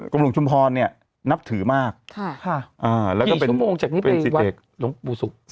กลมหลวงชุมพรเนี่ยนับถือมากค่ะค่ะอ่าแล้วก็เป็นสี่เตียกหลวงปู่ศุกร์